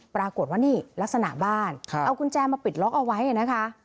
ปรากฏว่านี่ลักษณะบ้านเอากุญแจมาปิดล็อกเอาไว้นะคะ